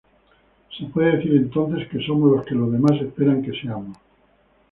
Se puede decir entonces, que somos lo que los demás esperan que seamos.